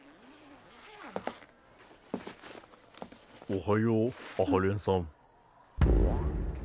おはよう阿波連さん。